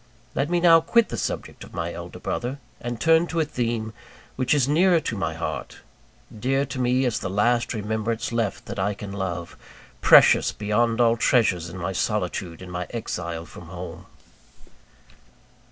Let me now quit the subject of my elder brother, and turn to a theme which is nearer to my heart; dear to me as the last remembrance left that I can love; precious beyond all treasures in my solitude and my exile from home.